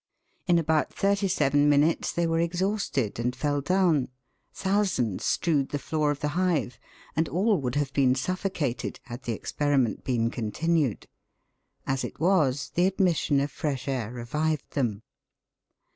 In about thirty seven minutes they were exhausted and fell down ; thousands strewed the floor of the hive, and all would have been suffocated had the ex periment been continued. As it was, the admission of fresh air revived them.